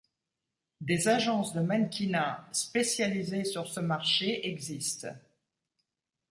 Des agences de mannequinat spécialisées sur ce marché existent.